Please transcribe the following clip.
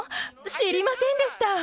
知りませんでした。